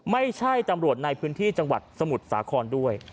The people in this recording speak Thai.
ไม่ใช่ตำรวจในพื้นที่จังหวัดสมุทรสาครด้วย